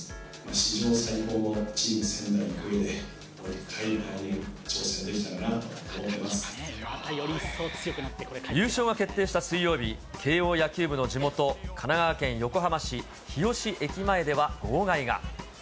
史上最高のチーム仙台育英で、もう一回来年、挑戦できたらなと優勝が決定した水曜日、慶応野球部の地元、神奈川県横浜市日吉駅前では号外が。